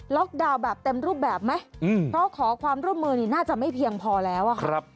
ดาวน์แบบเต็มรูปแบบไหมเพราะขอความร่วมมือนี่น่าจะไม่เพียงพอแล้วอะค่ะ